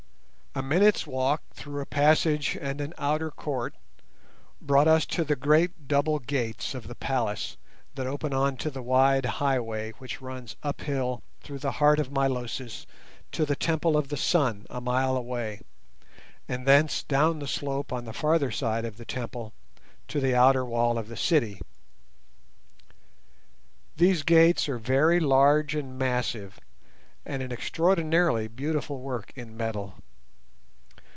A minute's walk through a passage and an outer court brought us to the great double gates of the palace that open on to the wide highway which runs uphill through the heart of Milosis to the Temple of the Sun a mile away, and thence down the slope on the farther side of the temple to the outer wall of the city. These gates are very large and massive, and an extraordinarily beautiful work in metal.